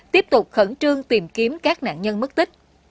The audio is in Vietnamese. tiếp tục khẩn trương tìm kiếm các nạn nhân mất tích